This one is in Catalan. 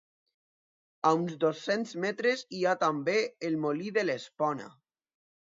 A uns dos-cents metres hi ha també el Molí de l'Espona.